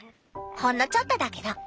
ほんのちょっとだけど。